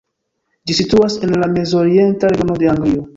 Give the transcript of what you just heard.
Ĝi situas en la Mez-Orienta Regiono de Anglio.